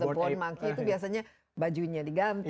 the born monkey itu biasanya bajunya diganti